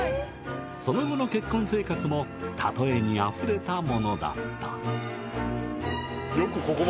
・その後の結婚生活もたとえに溢れたものだったはぁはぁ。